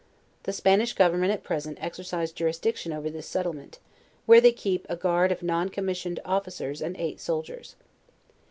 The Spanish government at present exercise jurisdiction over this settle ment, where they keep a guard of a non commissioned officer and tfighi; soldiers.